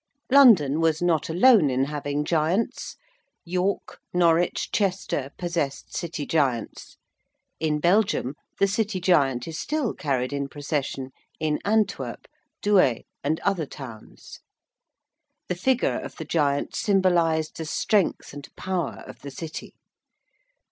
London was not alone in having giants. York, Norwich, Chester, possessed city giants. In Belgium the city giant is still carried in procession in Antwerp, Douai, and other towns. The figure of the giant symbolised the strength and power of the city.